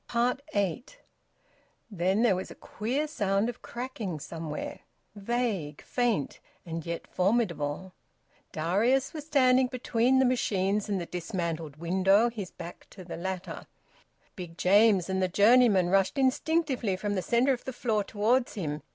EIGHT. Then there was a queer sound of cracking somewhere, vague, faint, and yet formidable. Darius was standing between the machines and the dismantled window, his back to the latter. Big James and the journeyman rushed instinctively from the centre of the floor towards him.